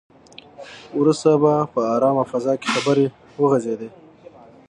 وروسته په ارامه فضا کې خبرې وغځېدې.